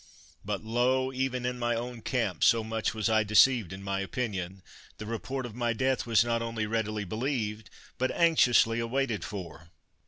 But lo, even in my own camp, so much was I deceived in my opinion, the report of my death was not only readily believed, but anxiously waited for.